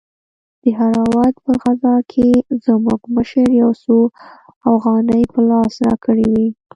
د دهراوت په غزا کښې زموږ مشر يو څو اوغانۍ په لاس راکړې وې.